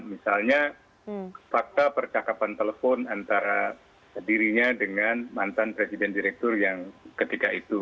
misalnya fakta percakapan telepon antara dirinya dengan mantan presiden direktur yang ketika itu